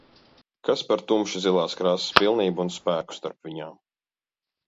Kas par tumši zilās krāsas pilnību un spēku starp viņām.